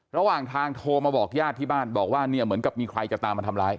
ระหว่างทางโทรมาบอกญาติที่บ้านบอกว่าเนี่ยเหมือนกับมีใครจะตามมาทำร้าย